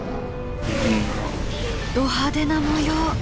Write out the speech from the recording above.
ド派手な模様。